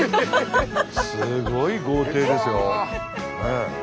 すごい豪邸ですよ。